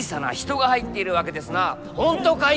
「本当かい？